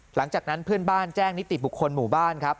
หลังจากนั้นเพื่อนบ้านแจ้งนิติบุคคลหมู่บ้านครับ